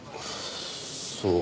そう？